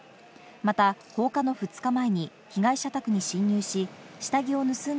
また放火の２日前に被害者宅に侵入し、下着を盗んだ